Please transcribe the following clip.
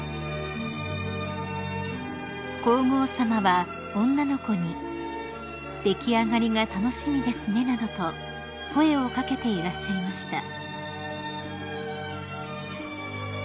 ［皇后さまは女の子に「出来上がりが楽しみですね」などと声を掛けていらっしゃいました］